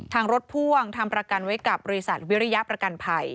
รถพ่วงทำประกันไว้กับบริษัทวิริยประกันภัย